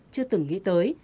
chưa từng nghĩ tới